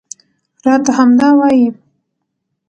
راته همدا وايي